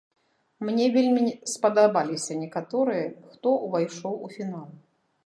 Мне вельмі спадабаліся некаторыя, хто ўвайшоў у фінал.